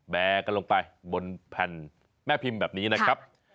แบร์กันลงไปบนแผ่นแม่พิมพ์แบบนี้นะครับ